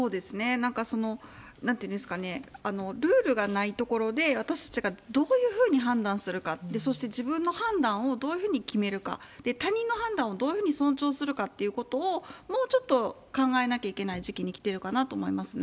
なんかなんていうんですかね、ルールがないところで私たちがどういうふうに判断するか、そして自分の判断をどういうふうに決めるか、他人の判断をどういうふうに尊重するかっていうことを、もうちょっと考えなきゃいけない時期にきてるかなと思いますね。